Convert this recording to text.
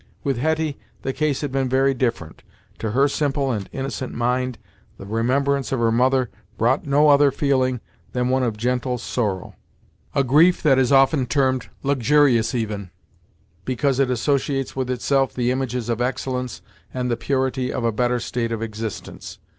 With Hetty, the case had been very different. To her simple and innocent mind, the remembrance of her mother brought no other feeling than one of gentle sorrow; a grief that is so often termed luxurious even, because it associates with itself the images of excellence and the purity of a better state of existence.